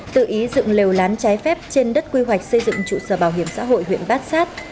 tự ý dựng lều lán trái phép trên đất quy hoạch xây dựng trụ sở bảo hiểm xã hội huyện bát sát